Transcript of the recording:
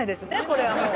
これはもう。